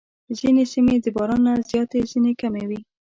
ځینې سیمې د باران نه زیاتې، ځینې کمې وي.